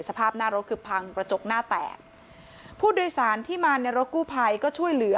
สภาพหน้ารถคือพังกระจกหน้าแตกผู้โดยสารที่มาในรถกู้ภัยก็ช่วยเหลือ